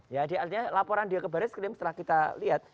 ya di akhirnya laporan dia ke baris krim setelah kita lihat